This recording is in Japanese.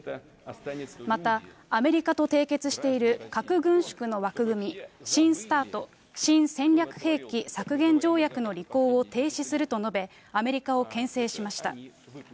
また、アメリカと締結している核軍縮の枠組み、新ＳＴＡＲＴ、新戦略兵器削減条約の履行を停止すると述べ、アメリカをけん制しました。